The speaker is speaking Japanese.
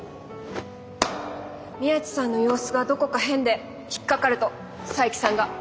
宮地さんの様子がどこか変で引っ掛かると佐伯さんが。